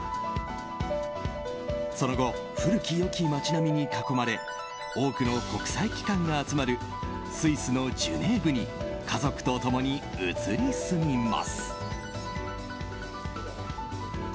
その後古き良き街並みに囲まれ多くの国際機関が集まるスイスのジュネーブに家族と共に移り住みます。